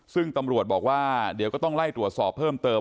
ซึ่งตำรวจบอกว่าเดี๋ยวก็ต้องไล่ตรวจสอบเพิ่มเติม